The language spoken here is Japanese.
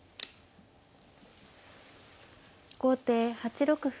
後手８六歩。